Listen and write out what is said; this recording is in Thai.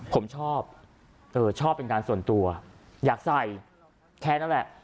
ผมชอบชอบเป็นการส่วนตัวอยากใส่แค่นั้นแหละ